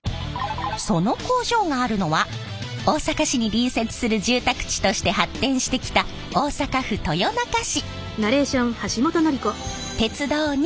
その工場があるのは大阪市に隣接する住宅地として発展してきた大阪府豊中市。